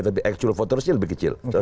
tapi actual votersnya lebih kecil